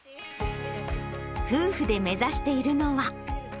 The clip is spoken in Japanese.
夫婦で目指しているのは。